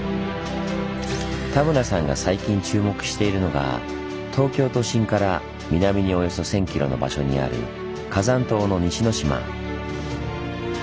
田村さんが最近注目しているのが東京都心から南におよそ１，０００キロの場所にある火山島の西之島。